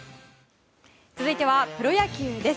続いてはプロ野球です。